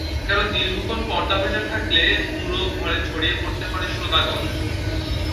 কারণ দীর্ঘক্ষণ পর্দা ভেজা থাকলে পুরো ঘরের ছড়িয়ে পড়তে পারে সোঁদা গন্ধ।